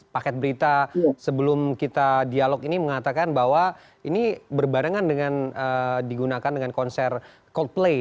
paket berita sebelum kita dialog ini mengatakan bahwa ini berbarengan dengan digunakan dengan konser coldplay